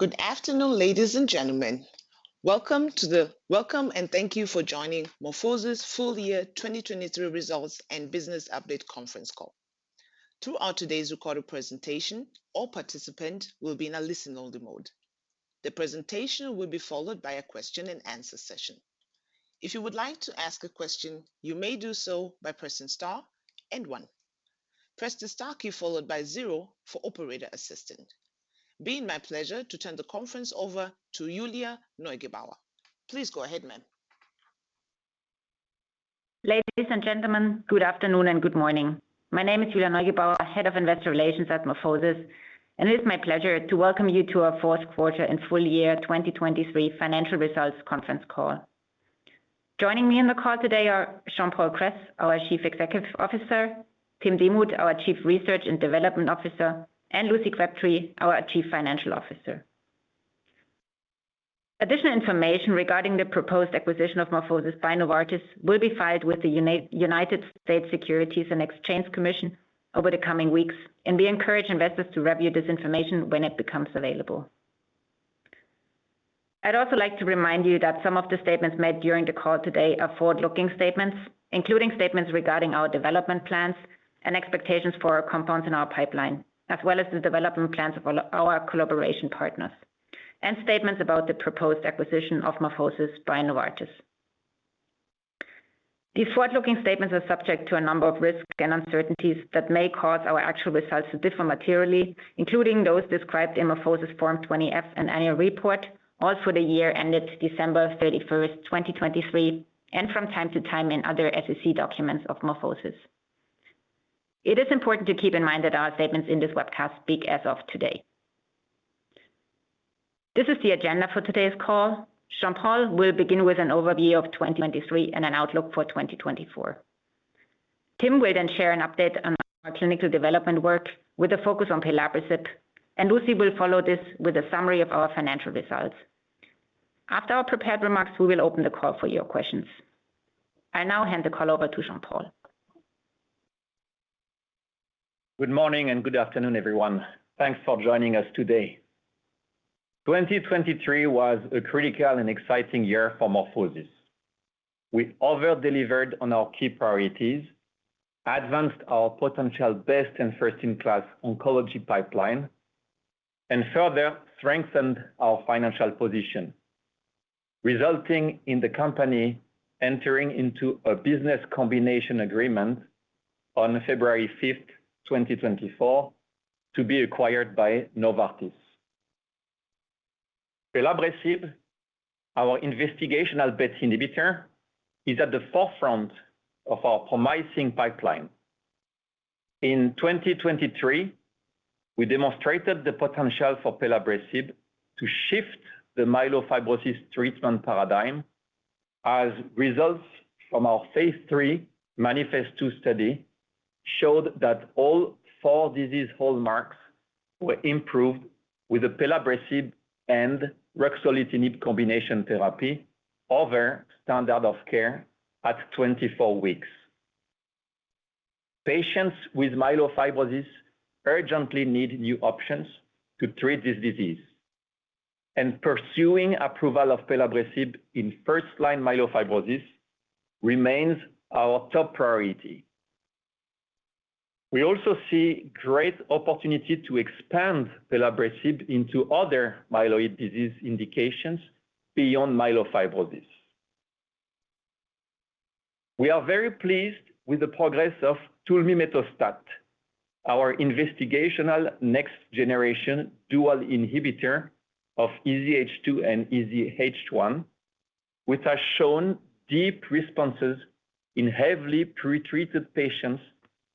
Good afternoon, ladies and gentlemen. Welcome and thank you for joining MorphoSys' full year 2023 results and business update conference call. Throughout today's recorded presentation, all participants will be in a listen-only mode. The presentation will be followed by a question and answer session. If you would like to ask a question, you may do so by pressing star and one. Press the star key followed by zero for operator assistant. It is my pleasure to turn the conference over to Julia Neugebauer. Please go ahead, ma'am. Ladies and gentlemen, good afternoon and good morning. My name is Julia Neugebauer, Head of Investor Relations at MorphoSys, and it is my pleasure to welcome you to our fourth quarter and full year 2023 financial results conference call. Joining me on the call today are Jean-Paul Kress, our Chief Executive Officer, Tim Demuth, our Chief Research and Development Officer, and Lucinda Crabtree, our Chief Financial Officer. Additional information regarding the proposed acquisition of MorphoSys by Novartis will be filed with the United States Securities and Exchange Commission over the coming weeks, and we encourage investors to review this information when it becomes available. I'd also like to remind you that some of the statements made during the call today are forward-looking statements, including statements regarding our development plans and expectations for our compounds in our pipeline, as well as the development plans of all our collaboration partners, and statements about the proposed acquisition of MorphoSys by Novartis. These forward-looking statements are subject to a number of risks and uncertainties that may cause our actual results to differ materially, including those described in MorphoSys Form 20-F and annual report, all for the year ended December 31st, 2023, and from time to time in other SEC documents of MorphoSys. It is important to keep in mind that our statements in this webcast speak as of today. This is the agenda for today's call. Jean-Paul will begin with an overview of 2023 and an outlook for 2024. Tim will then share an update on our clinical development work with a focus on Pelabresib, and Lucy will follow this with a summary of our financial results. After our prepared remarks, we will open the call for your questions. I now hand the call over to Jean-Paul. Good morning and good afternoon, everyone. Thanks for joining us today. 2023 was a critical and exciting year for MorphoSys. We over-delivered on our key priorities, advanced our potential best and first-in-class oncology pipeline, and further strengthened our financial position, resulting in the company entering into a business combination agreement on February fifth, 2024, to be acquired by Novartis. Pelabresib, our investigational BET inhibitor, is at the forefront of our promising pipeline. In 2023, we demonstrated the potential for Pelabresib to shift the myelofibrosis treatment paradigm as results from our phase III MANIFEST-2 study showed that all four disease hallmarks were improved with the Pelabresib and Ruxolitinib combination therapy over standard of care at 24 weeks. Patients with myelofibrosis urgently need new options to treat this disease, and pursuing approval of Pelabresib in first-line myelofibrosis remains our top priority. We also see great opportunity to expand Pelabresib into other myeloid disease indications beyond myelofibrosis. We are very pleased with the progress of Tulmimetostat, our investigational next-generation dual inhibitor of EZH2 and EZH1, which has shown deep responses in heavily pretreated patients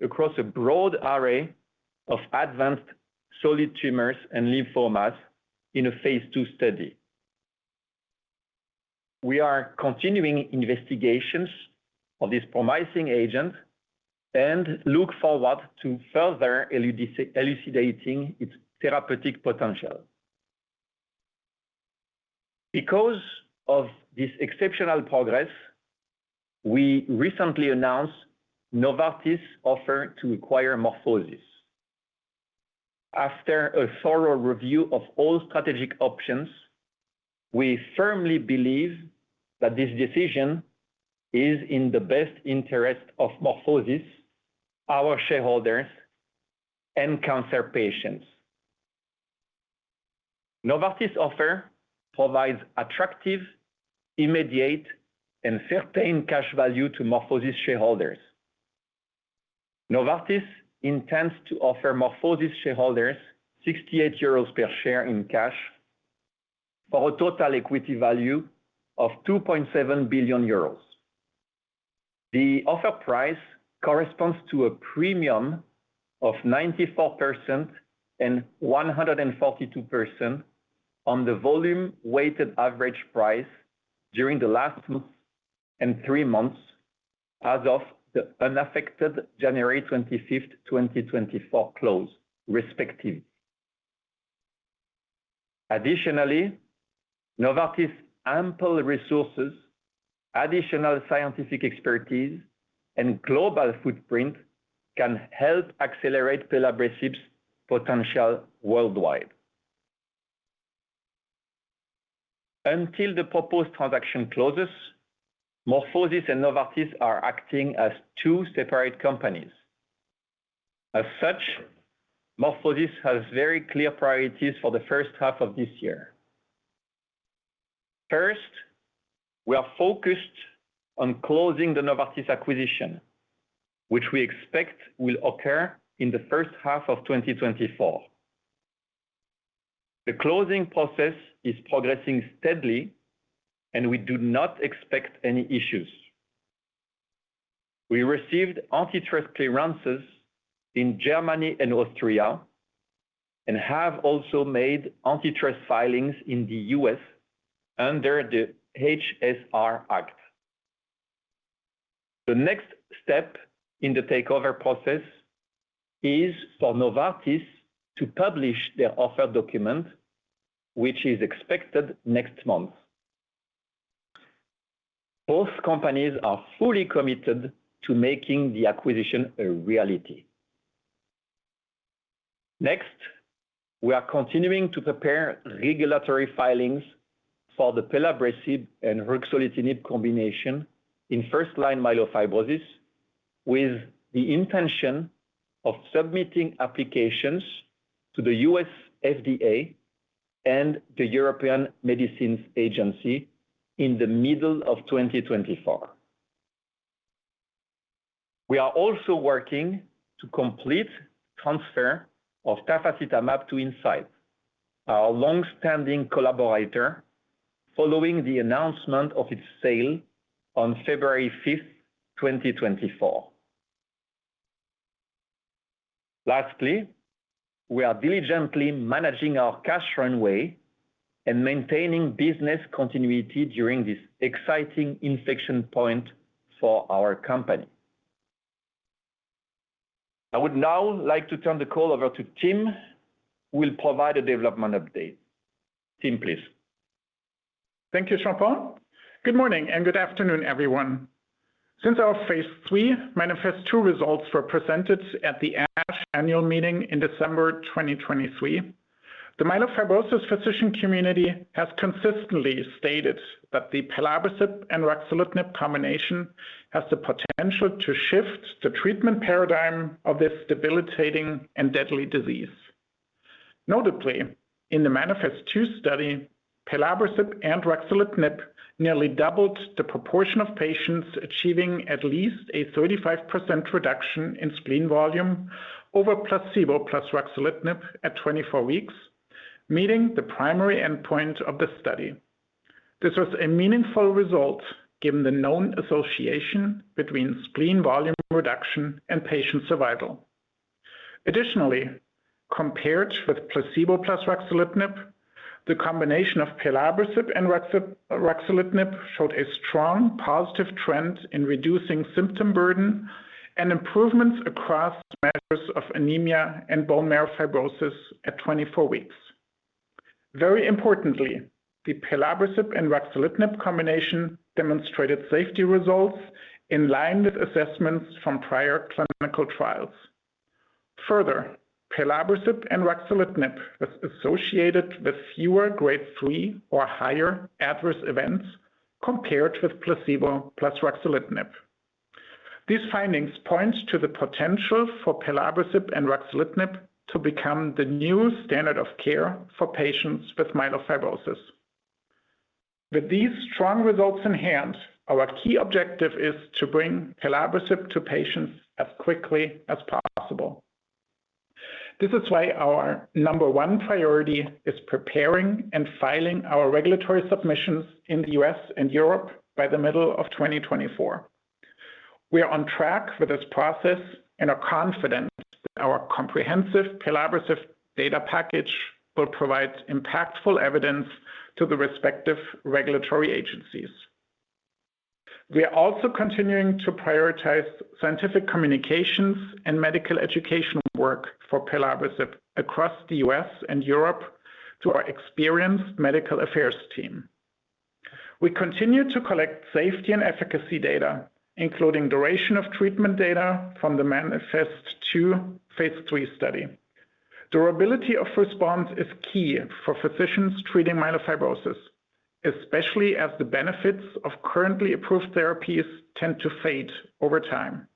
across a broad array of advanced solid tumors and lymphomas in a phase II study. We are continuing investigations of this promising agent and look forward to further elucidating its therapeutic potential. Because of this exceptional progress, we recently announced Novartis' offer to acquire MorphoSys. After a thorough review of all strategic options, we firmly believe that this decision is in the best interest of MorphoSys, our shareholders, and cancer patients. Novartis' offer provides attractive, immediate, and certain cash value to MorphoSys shareholders. Novartis intends to offer MorphoSys shareholders 68 euros per share in cash for a total equity value of 2.7 billion euros. The offer price corresponds to a premium of 94% and 142% on the volume-weighted average price during the last two and three months as of the unaffected January 25th, 2024 close, respectively. Additionally, Novartis' ample resources, additional scientific expertise, and global footprint can help accelerate Pelabresib's potential worldwide. Until the proposed transaction closes, MorphoSys and Novartis are acting as two separate companies. As such, MorphoSys has very clear priorities for the first half of this year. First, we are focused on closing the Novartis acquisition, which we expect will occur in the first half of 2024. The closing process is progressing steadily, and we do not expect any issues. We received antitrust clearances in Germany and Austria, and have also made antitrust filings in the U.S. under the HSR Act. The next step in the takeover process is for Novartis to publish their offer document, which is expected next month. Both companies are fully committed to making the acquisition a reality. Next, we are continuing to prepare regulatory filings for the Pelabresib and Ruxolitinib combination in first-line myelofibrosis, with the intention of submitting applications to the U.S. FDA and the European Medicines Agency in the middle of 2024. We are also working to complete transfer of Tafasitamab to Incyte, our long-standing collaborator, following the announcement of its sale on February 5th, 2024. Lastly, we are diligently managing our cash runway and maintaining business continuity during this exciting inflection point for our company. I would now like to turn the call over to Tim, who will provide a development update. Tim, please. Thank you, Jean-Paul. Good morning and good afternoon, everyone. Since our phase three MANIFEST-2 results were presented at the ASH annual meeting in December 2023, the myelofibrosis physician community has consistently stated that the Pelabresib and Ruxolitinib combination has the potential to shift the treatment paradigm of this debilitating and deadly disease. Notably, in the MANIFEST-2 study, Pelabresib and Ruxolitinib nearly doubled the proportion of patients achieving at least a 35% reduction in spleen volume over placebo plus Ruxolitinib at 24 weeks, meeting the primary endpoint of the study. This was a meaningful result, given the known association between spleen volume reduction and patient survival. Additionally, compared with placebo plus Ruxolitinib, the combination of Pelabresib and Ruxolitinib showed a strong positive trend in reducing symptom burden and improvements across measures of anemia and bone marrow fibrosis at 24 weeks. Very importantly, the Pelabresib and Ruxolitinib combination demonstrated safety results in line with assessments from prior clinical trials. Further, Pelabresib and Ruxolitinib was associated with fewer grade three or higher adverse events compared with placebo plus Ruxolitinib. These findings point to the potential for Pelabresib and Ruxolitinib to become the new standard of care for patients with myelofibrosis. With these strong results in hand, our key objective is to bring Pelabresib to patients as quickly as possible. This is why our number one priority is preparing and filing our regulatory submissions in the U.S. and Europe by the middle of 2024. We are on track for this process and are confident that our comprehensive Pelabresib data package will provide impactful evidence to the respective regulatory agencies. We are also continuing to prioritize scientific communications and medical educational work for Pelabresib across the U.S. and Europe through our experienced medical affairs team. We continue to collect safety and efficacy data, including duration of treatment data from the MANIFEST-2 phase III study. Durability of response is key for physicians treating myelofibrosis, especially as the benefits of currently approved therapies tend to fade over time.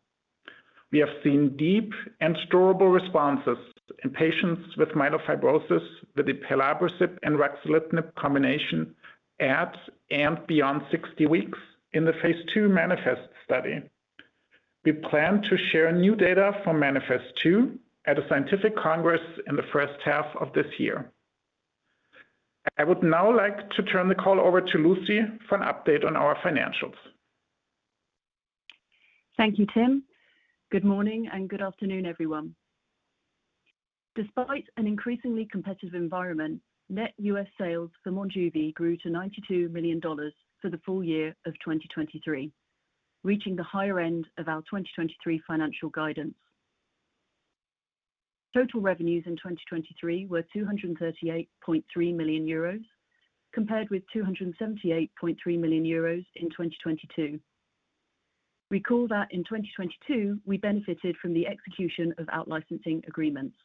We have seen deep and durable responses in patients with myelofibrosis with the Pelabresib and Ruxolitinib combination at and beyond 60 weeks in the phase two MANIFEST study. We plan to share new data from MANIFEST-2 at a scientific congress in the first half of this year. I would now like to turn the call over to Lucy for an update on our financials. Thank you, Tim. Good morning and good afternoon, everyone. Despite an increasingly competitive environment, net U.S. sales for Monjuvi grew to $92 million for the full year of 2023, reaching the higher end of our 2023 financial guidance. Total revenues in 2023 were 238.3 million euros, compared with 278.3 million euros in 2022. Recall that in 2022, we benefited from the execution of out-licensing agreements.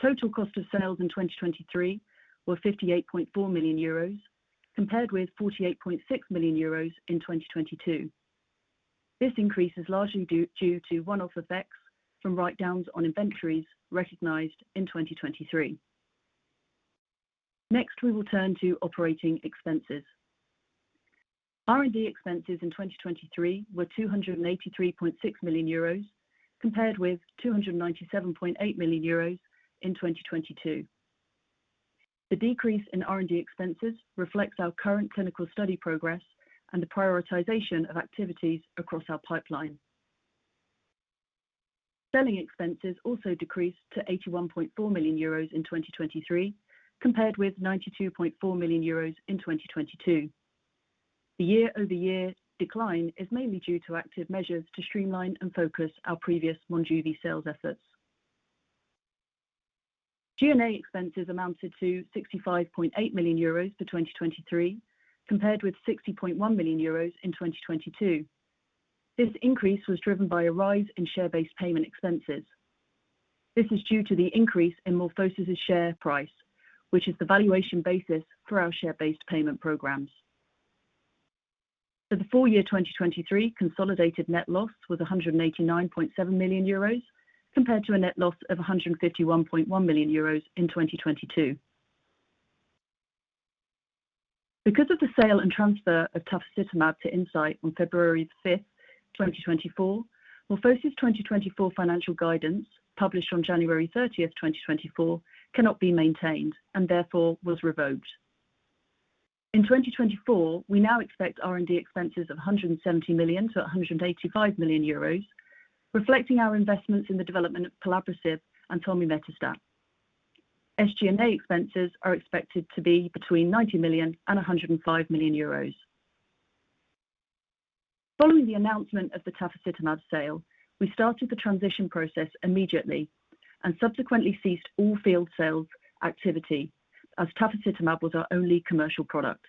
Total cost of sales in 2023 were 58.4 million euros, compared with 48.6 million euros in 2022. This increase is largely due to one-off effects from write-downs on inventories recognized in 2023. Next, we will turn to operating expenses. R&D expenses in 2023 were 283.6 million euros, compared with 297.8 million euros in 2022. The decrease in R&D expenses reflects our current clinical study progress and the prioritization of activities across our pipeline. Selling expenses also decreased to 81.4 million euros in 2023, compared with 92.4 million euros in 2022. The year-over-year decline is mainly due to active measures to streamline and focus our previous Monjuvi sales efforts. G&A expenses amounted to 65.8 million euros for 2023, compared with 60.1 million euros in 2022. This increase was driven by a rise in share-based payment expenses. This is due to the increase in MorphoSys' share price, which is the valuation basis for our share-based payment programs. For the full year 2023, consolidated net loss was 189.7 million euros, compared to a net loss of 151.1 million euros in 2022. Because of the sale and transfer of Tafasitamab to Incyte on February 5, 2024, MorphoSys' 2024 financial guidance, published on January 30th, 2024, cannot be maintained and therefore was revoked. In 2024, we now expect R&D expenses of 170 million to 185 million euros, reflecting our investments in the development of Pelabresib and Tulmimetostat. SG&A expenses are expected to be between 90 million and 105 million euros. Following the announcement of the Tafasitamab sale, we started the transition process immediately and subsequently ceased all field sales activity, as Tafasitamab was our only commercial product.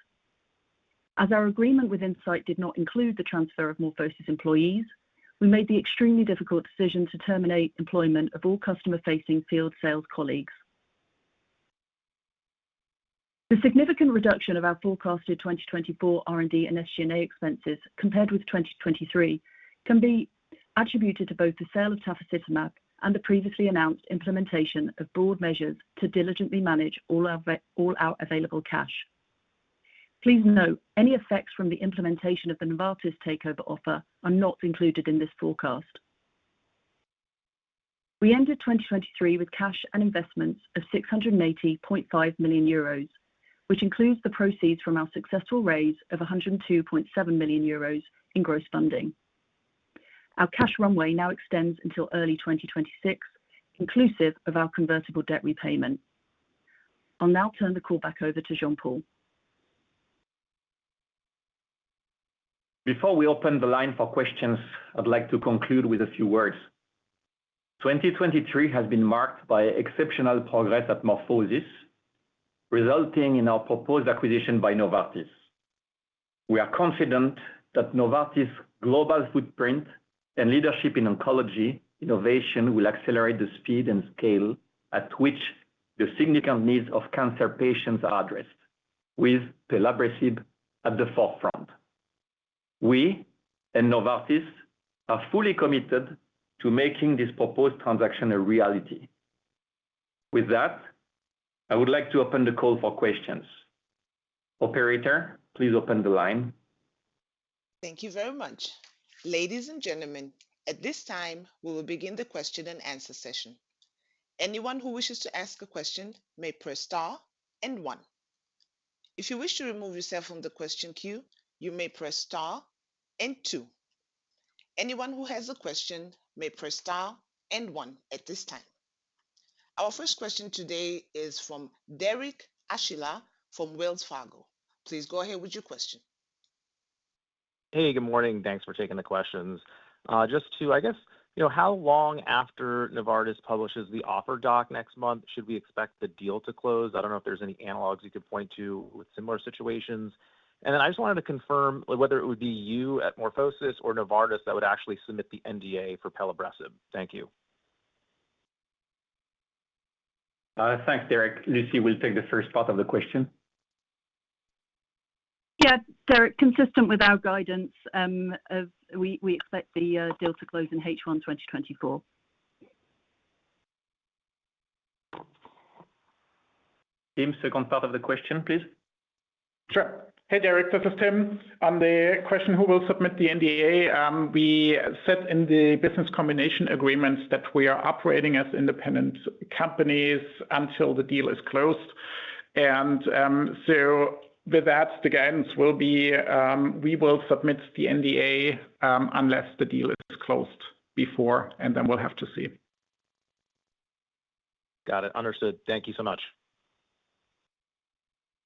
As our agreement with Incyte did not include the transfer of MorphoSys employees, we made the extremely difficult decision to terminate employment of all customer-facing field sales colleagues. The significant reduction of our forecasted 2024 R&D and SG&A expenses compared with 2023 can be attributed to both the sale of tafasitamab and the previously announced implementation of broad measures to diligently manage all our available cash. Please note, any effects from the implementation of the Novartis takeover offer are not included in this forecast. We ended 2023 with cash and investments of 680.5 million euros, which includes the proceeds from our successful raise of 102.7 million euros in gross funding. Our cash runway now extends until early 2026, inclusive of our convertible debt repayment. I'll now turn the call back over to Jean-Paul. Before we open the line for questions, I'd like to conclude with a few words. 2023 has been marked by exceptional progress at MorphoSys, resulting in our proposed acquisition by Novartis. We are confident that Novartis' global footprint and leadership in oncology innovation will accelerate the speed and scale at which the significant needs of cancer patients are addressed, with Pelabresib at the forefront. We and Novartis are fully committed to making this proposed transaction a reality. With that, I would like to open the call for questions. Operator, please open the line. Thank you very much. Ladies and gentlemen, at this time, we will begin the question-and-answer session. Anyone who wishes to ask a question may press star and one. If you wish to remove yourself from the question queue, you may press star and two. Anyone who has a question may press star and one at this time. Our first question today is from Derek Archila from Wells Fargo. Please go ahead with your question. Hey, good morning. Thanks for taking the questions. Just to... I guess, you know, how long after Novartis publishes the offer doc next month, should we expect the deal to close? I don't know if there's any analogs you could point to with similar situations. And then I just wanted to confirm whether it would be you at MorphoSys or Novartis that would actually submit the NDA for Pelabresib. Thank you. Thanks, Derek. Lucinda will take the first part of the question. Yeah. Derek, consistent with our guidance, we expect the deal to close in H1 2024. Tim, second part of the question, please. Sure. Hey, Derek, this is Tim. On the question, who will submit the NDA? We said in the business combination agreements that we are operating as independent companies until the deal is closed. With that, the guidance will be we will submit the NDA, unless the deal is closed before, and then we'll have to see. Got it. Understood. Thank you so much....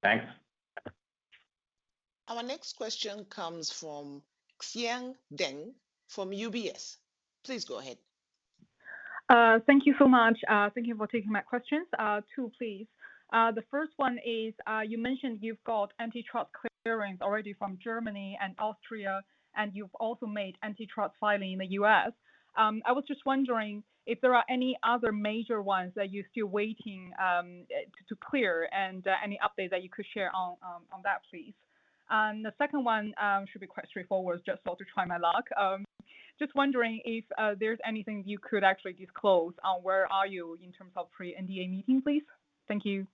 Thanks! Our next question comes from Xian Deng from UBS. Please go ahead. Thank you so much. Thank you for taking my questions. Two, please. The first one is, you mentioned you've got antitrust clearance already from Germany and Austria, and you've also made antitrust filing in the U.S. I was just wondering if there are any other major ones that you're still waiting to clear, and any update that you could share on that, please? The second one should be quite straightforward, just thought to try my luck. Just wondering if there's anything you could actually disclose on where are you in terms of pre-NDA meeting, please? Thank you.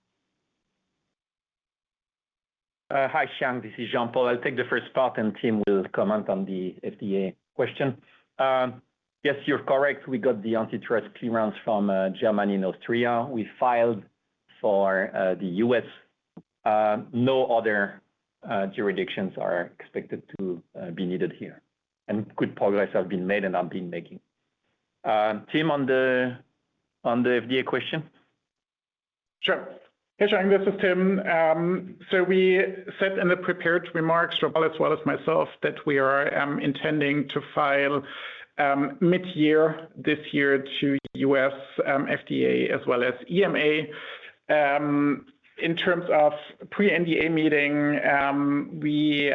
Hi, Xian. This is Jean-Paul. I'll take the first part, and Tim will comment on the FDA question. Yes, you're correct. We got the antitrust clearance from Germany and Austria. We filed for the U.S. No other jurisdictions are expected to be needed here, and good progress have been made and are being making. Tim, on the FDA question? Sure. Hey, Xian, this is Tim. So we said in the prepared remarks, Jean-Paul as well as myself, that we are intending to file mid-year this year to U.S. FDA as well as EMA. In terms of pre-NDA meeting, we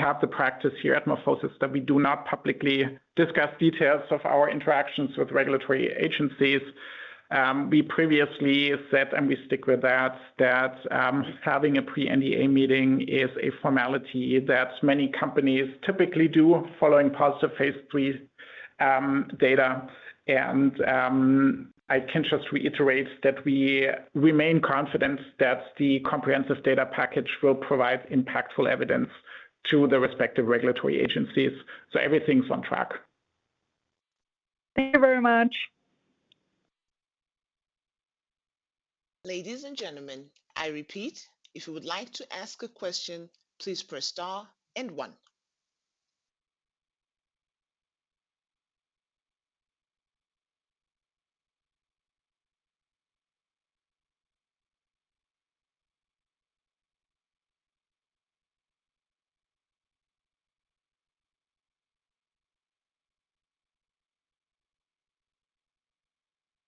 have the practice here at MorphoSys that we do not publicly discuss details of our interactions with regulatory agencies. We previously said, and we stick with that, that having a pre-NDA meeting is a formality that many companies typically do following positive phase three data. I can just reiterate that we remain confident that the comprehensive data package will provide impactful evidence to the respective regulatory agencies. So everything's on track. Thank you very much. Ladies and gentlemen, I repeat, if you would like to ask a question, please press star and one.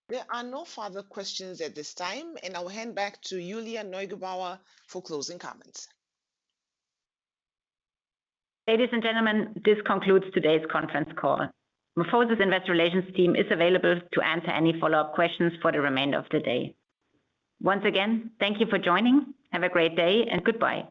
There are no further questions at this time, and I'll hand back to Julia Neugebauer for closing comments. Ladies and gentlemen, this concludes today's conference call. MorphoSys Investor Relations team is available to answer any follow-up questions for the remainder of the day. Once again, thank you for joining. Have a great day, and goodbye.